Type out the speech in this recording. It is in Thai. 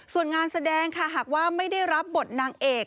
ส่วนงานแสดงค่ะหากว่าไม่ได้รับบทนางเอก